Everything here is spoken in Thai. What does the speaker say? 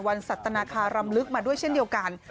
สัตนาคารำลึกมาด้วยเช่นเดียวกัน